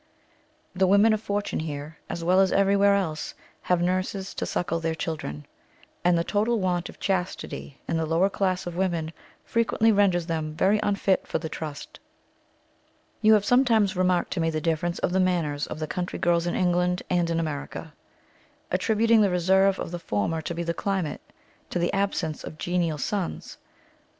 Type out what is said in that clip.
The women of fortune here, as well as everywhere else, have nurses to suckle their children; and the total want of chastity in the lower class of women frequently renders them very unfit for the trust. You have sometimes remarked to me the difference of the manners of the country girls in England and in America; attributing the reserve of the former to the climate to the absence of genial suns.